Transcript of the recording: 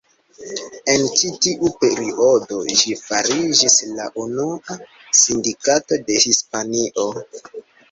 En ĉi tiu periodo ĝi fariĝis la unua sindikato de Hispanio.